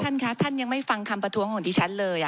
ท่านคะท่านยังไม่ฟังคำประท้วงของดิฉันเลย